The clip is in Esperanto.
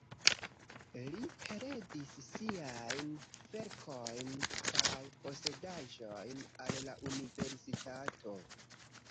Li heredis siajn verkojn kaj posedaĵojn al la universitato.